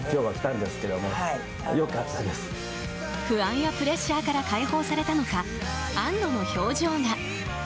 不安やプレッシャーから解放されたのか、安堵の表情が。